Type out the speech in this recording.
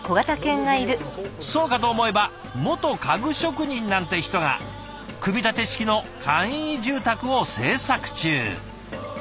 そうかと思えば元家具職人なんて人が組み立て式の簡易住宅を製作中！